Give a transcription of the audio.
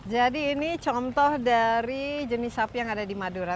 jadi ini contoh dari jenis sapi yang ada di madura